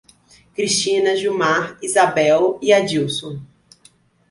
Cristina, Gilmar, Izabel e Adílson